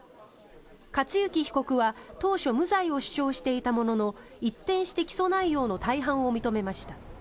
克行被告は当初、無罪を主張していたものの一転して起訴内容の大半を認めました。